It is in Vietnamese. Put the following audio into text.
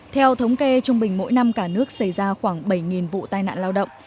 theo thống kê trung bình mỗi năm cả nước xảy ra khoảng bảy vụ tai nạn lao động